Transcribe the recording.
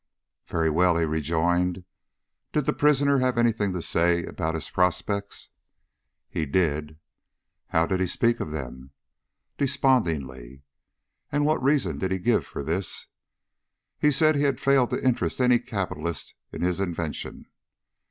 "Very well," he rejoined, "did the prisoner have any thing to say about his prospects?" "He did." "How did he speak of them?" "Despondingly." "And what reason did he give for this?" "He said he had failed to interest any capitalist in his invention."